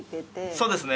そうですね